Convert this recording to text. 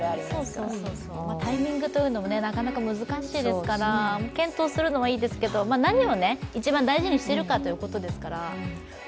タイミングというのもなかなか難しいですから検討するのはいいですけど、何を一番大事にしてるかですから。